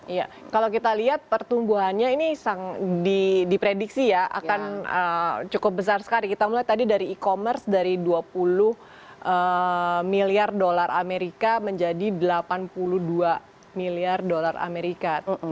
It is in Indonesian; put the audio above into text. iya kalau kita lihat pertumbuhannya ini diprediksi ya akan cukup besar sekali kita mulai tadi dari e commerce dari dua puluh miliar dolar amerika menjadi delapan puluh dua miliar dolar amerika